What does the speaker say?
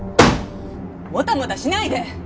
もたもたしないで！